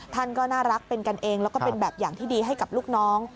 ท่านก็น่ารักเป็นกันเองแล้วก็เป็นแบบอย่างที่ดีให้กับลูกน้อง